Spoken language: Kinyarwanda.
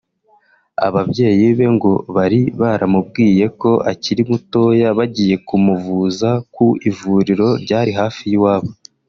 Ababyeyi be ngo bari baramubwiye ko akiri mutoya bagiye kumuvuza ku ivuriro ryari hafi y’iwabo